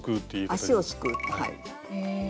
足をすくうはい。